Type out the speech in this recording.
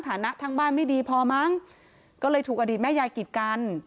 ฐานะทางบ้านไม่ดีพอมั้งก็เลยถูกอดีตแม่ยายกิดกัน